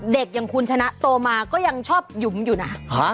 อย่างคุณชนะโตมาก็ยังชอบหยุมอยู่นะ